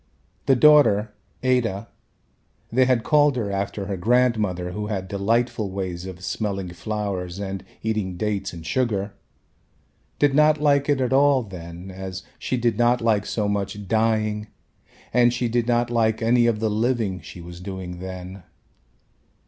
The daughter, Ada they had called her after her grandmother who had delightful ways of smelling flowers and eating dates and sugar, did not like it at all then as she did not like so much dying and she did not like any of the living she was doing then.